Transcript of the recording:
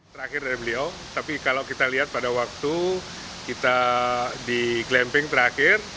terakhir dari beliau tapi kalau kita lihat pada waktu kita di clamping terakhir